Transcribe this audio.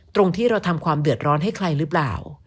ตรงที่เราทำความเดือดร้อนให้ใครหรือเปล่า